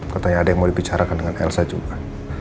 katanya ada yang mau dibicarakan dengan elsa juga